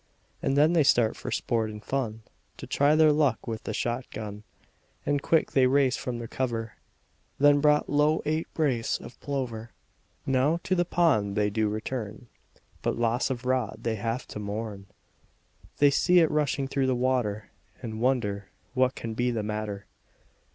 And then they start for sport and fun, To try their luck with the shot gun, And quick they raised from their cover, Then brought low eight brace of plover. Now to the pond they do return, But loss of rod they have to mourn, They see it rushing through the water, And wonder what can be the matter.